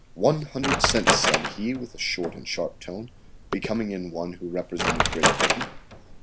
"One hundred cents," said he with a short and sharp tone, becoming in one who represented Great Britain.